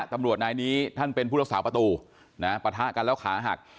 ตำรวจนายนี้ท่านเป็นผู้รักษาประตูปะทะกันแล้วขาหัก